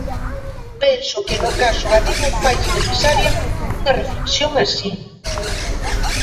Penso que no caso galego faise necesaria unha reflexión así.